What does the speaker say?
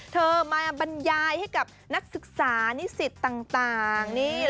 เธอมาบรรยายให้กับนักศึกษานิสิตต่างนี่